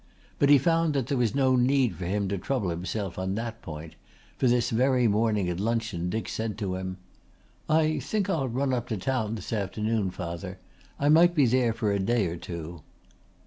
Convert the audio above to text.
But he found that there was no need for him to trouble himself on that point, for this very morning at luncheon Dick said to him: "I think that I'll run up to town this afternoon, father. I might be there for a day or two."